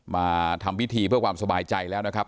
มาทำพิธีเพื่อความสบายใจแล้วนะครับ